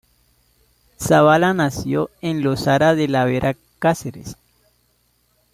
Zabala nació en Losar de la Vera, Cáceres.